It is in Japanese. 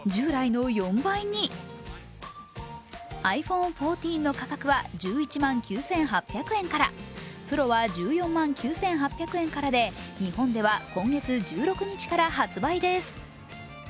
ｉＰｈｏｎｅ１４の価格は１１万９８００円から、Ｐｒｏは１４万９８００円からで日本では今月１６日から発売です。